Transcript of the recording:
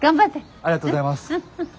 ありがとうございます！